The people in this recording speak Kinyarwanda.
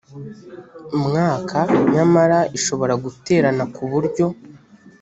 mwaka nyamara ishobora guterana ku buryo